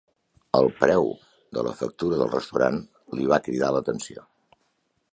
El preu de la factura del restaurant li va cridar l'atenció.